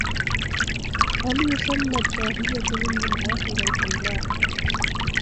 هَلْ يُسَمَّى الدَّاهِيَةُ مِنْهُمْ عَاقِلًا أَمْ لَا